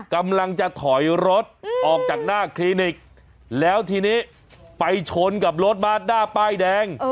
กำลังจะถอยรถออกจากหน้าคลินิกแล้วทีนี้ไปชนกับรถมาดหน้าป้ายแดง